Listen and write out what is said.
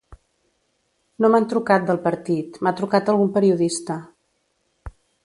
No m’han trucat del partit, m’ha trucat algun periodista.